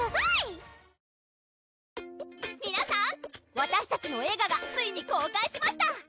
わたしたちの映画がついに公開しました！